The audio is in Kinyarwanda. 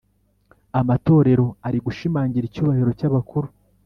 amatorero ari gushimangira icyubahiro cy’ abakuru.